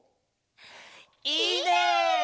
いいね！